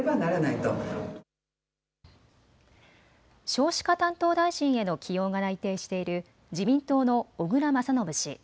少子化担当大臣への起用が内定している自民党の小倉將信氏。